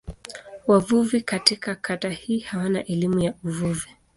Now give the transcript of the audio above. Wavuvi katika kata hii hawana elimu ya uvuvi.